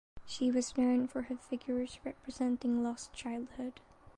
She was known for her figures representing lost childhood.